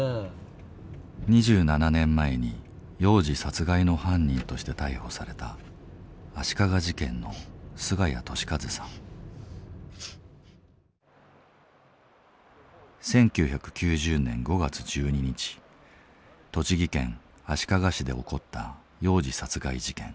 ２７年前に幼児殺害の犯人として逮捕された足利事件の１９９０年５月１２日栃木県足利市で起こった幼児殺害事件。